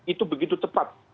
itu begitu cepat